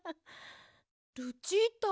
ルチータ。